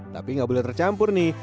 tapi nggak boleh tercampur nih